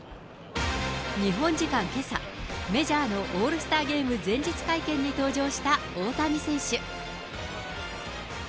日本時間けさ、メジャーのオールスターゲーム前日会見に登場した大谷選手。